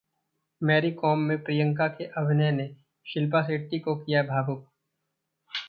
'Mary Kom' में प्रियंका के अभिनय ने शिल्पा शेट्टी को किया भावुक